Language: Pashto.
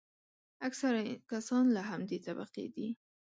اکثره کسان له همدې طبقې دي.